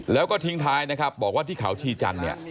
แล้วก็ทิ้งท้ายนะครับบอกว่าที่เขาชีจันทร์เนี่ย